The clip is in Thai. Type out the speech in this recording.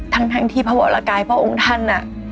ทั้งที่พระวรกายพระองค์ท่าน